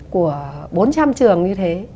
của bốn trăm linh trường như thế